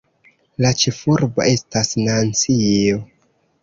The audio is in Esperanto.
La ĉefurbo estas Nancio.